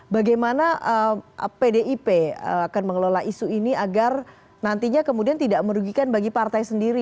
bagaimana pdip akan mengelola isu ini agar nantinya kemudian tidak merugikan bagi partai sendiri